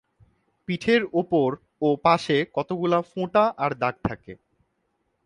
পিঠের ওপর ও পাশে কতগুলো ফোঁটা আর দাগ থাকে।